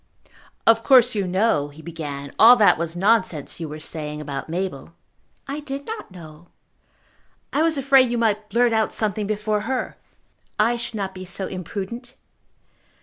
"Of course you know," he began, "all that was nonsense you were saying about Mabel." "I did not know." "I was afraid you might blurt out something before her." "I should not be so imprudent."